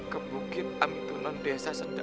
ke bukit amidunan desa sedang dua